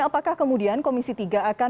apakah kemudian komisi tiga akan